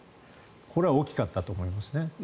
これは大きかったと思いますね。